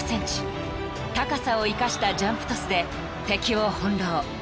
［高さを生かしたジャンプトスで敵を翻弄］